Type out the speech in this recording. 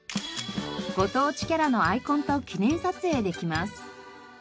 ご当地キャラのアイコンと記念撮影できます。